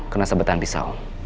karena sebetahan pisau